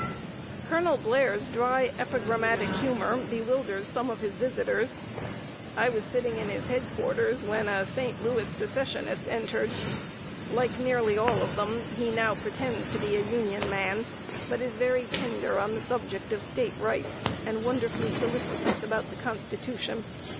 Colonel Blair's dry, epigrammatic humor bewilders some of his visitors. I was sitting in his head quarters when a St. Louis Secessionist entered. Like nearly all of them, he now pretends to be a Union man, but is very tender on the subject of State Rights, and wonderfully solicitous about the Constitution.